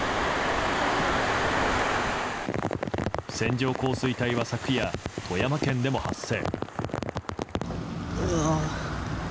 線状降水帯は昨夜、富山県でも発生。